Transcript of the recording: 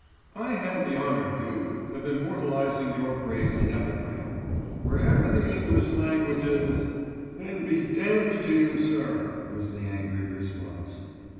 "I had the honour, Duke, of immortalising Your Grace in epigram. Wherever the English language is——" "Then be damned to you, sir," was the angry response.